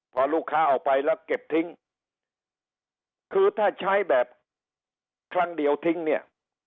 พอลูกค้าออกไปแล้วเก็บทิ้งคือถ้าใช้แบบครั้งเดียวทิ้งเนี่ย